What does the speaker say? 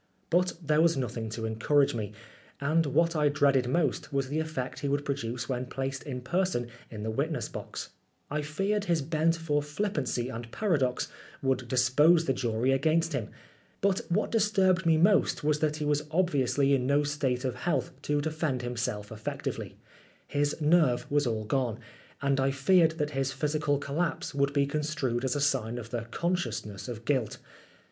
But there was nothing to encourage me, and what I dreaded most was the effect he would produce when placed in person in the witness box. I feared his bent for flippancy and paradox would dispose the jury against him ; but what disturbed me most was, that he was obviously in no state of health to 184 OSCAR WILDE, AESTHETIC PERIOD, ABOUT 1884. ( R. W. Thrupp, Photcr, Birmingham.} To face p. 184. Oscar Wilde defend himself effectively. His nerve was all gone, and I feared that his physical collapse would be construed as a sign of the consciousness of guilt.